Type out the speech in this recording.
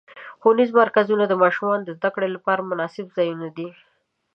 ښوونیز مرکزونه د ماشومانو د زدهکړو لپاره مناسب ځایونه دي.